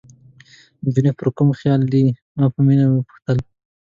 نجونې پر کوم خیال دي؟ ما په مینه وپوښتل.